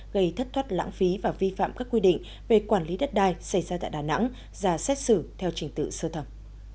gây thất thoát lãng phí và vi phạm các quy định về quản lý đất đai xảy ra tại đà nẵng ra xét xử theo trình tự sơ thẩm